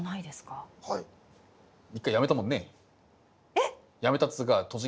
えっ？